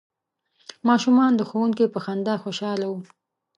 ماشومان د ښوونکي په خندا خوشحاله وو.